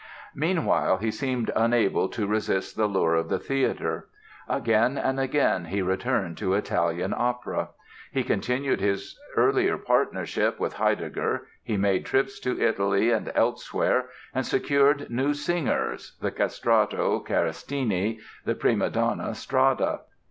Meanwhile, he seemed unable to resist the lure of the theatre. Again and again he returned to Italian opera. He continued his earlier partnership with Heidegger; he made trips to Italy and elsewhere and secured new singers (the castrato, Carestini, the prima donna, Strada).